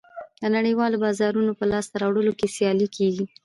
د نړیوالو بازارونو په لاسته راوړلو کې سیالي کېږي